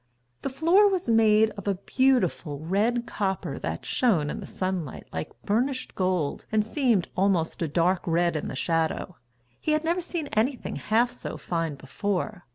The floor was made of a beautiful red copper that shone in the sunlight like burnished gold and seemed almost a dark red in the shadow. He had never seen anything half so fine before.